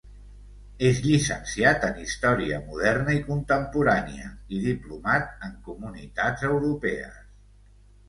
És llicenciat en Història Moderna i Contemporània i diplomat en Comunitats Europees.